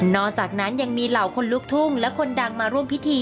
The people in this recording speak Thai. อกจากนั้นยังมีเหล่าคนลุกทุ่งและคนดังมาร่วมพิธี